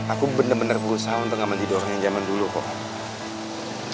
aku bener bener berusaha untuk ngemandiri orang yang zaman dulu kok